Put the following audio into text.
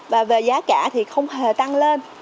và về giá cả thì không hề tăng lên